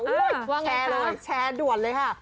ว่าแชร์เลยแชร์ด่วนเลยค่ะ